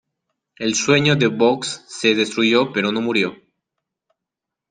El sueño de Boggs se destruyó pero no murió.